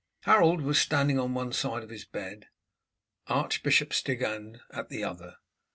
Harold was standing on one side of his bed, Archbishop Stigand at the other.